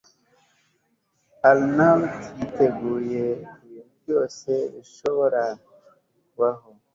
arnaud yiteguye kubintu byose bishobora kubaho